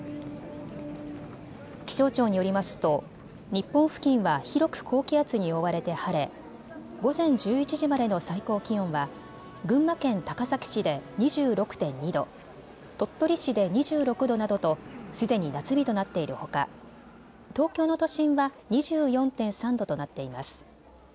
気象庁によりますと日本付近は広く高気圧に覆われて晴れ午前１１時までの最高気温は群馬県高崎市で２６．２度、鳥取市で２６度などとすでに夏日となっているほか東京の都心は２４．３度となっています。